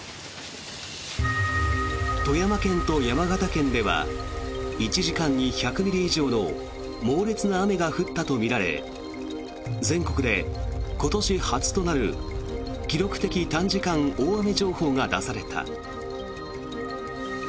富山県と山形県では１時間に１００ミリ以上の猛烈な雨が降ったとみられ全国で今年初となる記録的短時間大雨情報が出された。